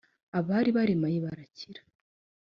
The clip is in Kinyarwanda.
abari baremaye, barakira